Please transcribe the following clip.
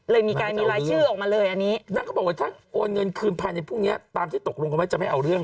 เลยมีการมีรายชื่อออกมาเลยอันนี้นางก็บอกว่าถ้าโอนเงินคืนภายในพรุ่งเนี้ยตามที่ตกลงกันไว้จะไม่เอาเรื่อง